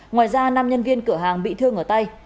ngoài ra năm nhân viên cửa hàng bị thương ở tay